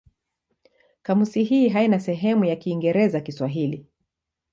Kamusi hii haina sehemu ya Kiingereza-Kiswahili.